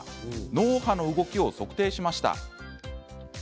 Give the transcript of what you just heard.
脳波の動きを測定しました。